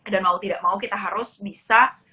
dan mau tidak mau kita harus bisa